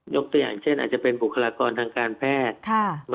ตัวอย่างเช่นอาจจะเป็นบุคลากรทางการแพทย์